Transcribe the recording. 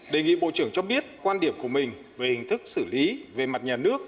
đề nghị bộ trưởng cho biết quan điểm của mình về hình thức xử lý về mặt nhà nước